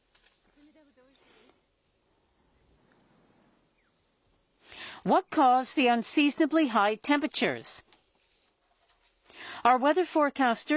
冷たくておいしいです。